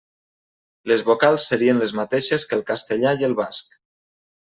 Les vocals serien les mateixes que el castellà i el basc.